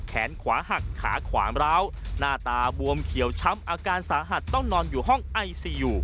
แขนขวาหักขาขวาร้าวหน้าตาบวมเขียวช้ำอาการสาหัสต้องนอนอยู่ห้องไอซียู